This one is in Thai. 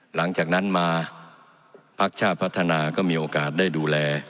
หลังจากนั้นมาพักชาติพัฒนาก็มีโอกาสได้ดูแล